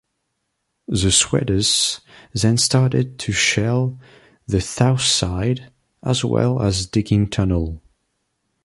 The Swedes then started to shell the south side, as well as digging tunnel.